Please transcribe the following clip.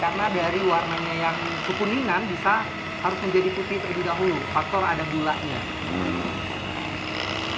karena dari warnanya yang sekuningan bisa harus menjadi putih terlebih dahulu